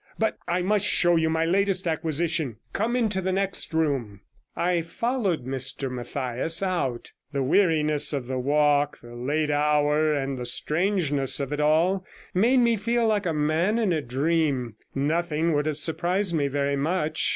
But I must show you my latest acquisition. Come into the next room' I followed Mr Mathias out. The weariness of the walk, the late hour, and the strangeness of it all made me feel like a man in a dream; nothing would have surprised me very much.